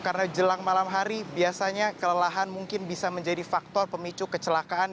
karena jelang malam hari biasanya kelelahan mungkin bisa menjadi faktor pemicu kecelakaan